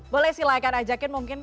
boleh silahkan ajakin mungkin